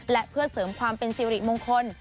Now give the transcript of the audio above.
และเพื่อเสริมความเป็นสิริมงคล